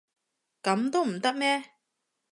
噉都唔得咩？